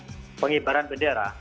bukan pengibaran bendera